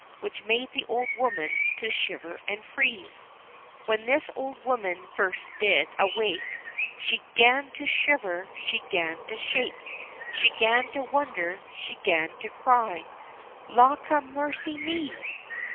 Which made the old woman to shiver and freeze. When this old woman first did awake. She *gan to shiver, she 'gan to shake ; She *gan to wonder, she 'gan to cry — "Lawkamercyme